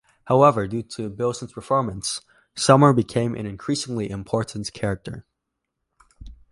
However, due to Bilson's performance, Summer became an increasingly important character.